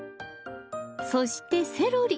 そしてセロリ。